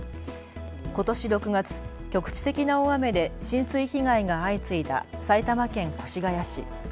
ことし６月、局地的な大雨で浸水被害が相次いだ埼玉県越谷市。